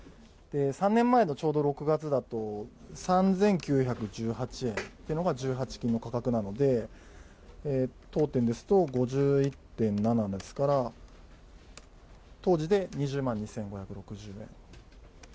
３年前のちょうど６月だと３９１８円が１８金の価格なので当店ですと５１．７ですから当時で２０万２５６０円。